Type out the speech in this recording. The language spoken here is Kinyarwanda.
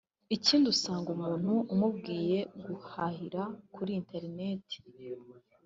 Ikindi usanga umuntu umubwiye guhahira kuri internet